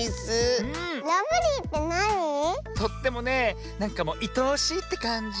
とってもねなんかもういとおしいってかんじ。